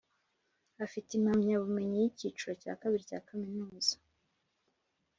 Afite Impamyabumenyi y’Icyiciro cya Kabiri cya Kaminuza